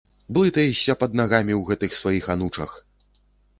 Блытаешся пад нагамі ў гэтых сваіх анучах!